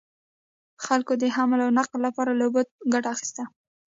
خلکو د حمل او نقل لپاره له اوبو ګټه اخیسته.